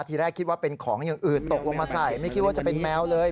ทีแรกคิดว่าเป็นของอย่างอื่นตกลงมาใส่ไม่คิดว่าจะเป็นแมวเลย